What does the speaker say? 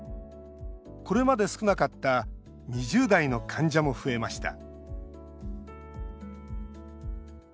これまで少なかった２０代の患者も増えました